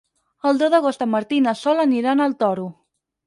El deu d'agost en Martí i na Sol aniran al Toro.